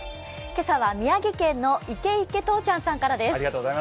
今朝は宮城県のイケイケとーちゃんさんからです。